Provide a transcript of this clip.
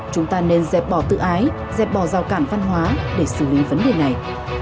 chúng ta nên dẹp bỏ tự ái dẹp bỏ rào cản văn hóa để xử lý vấn đề này